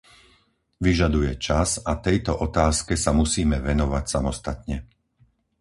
Vyžaduje čas a tejto otázke sa musíme venovať samostatne.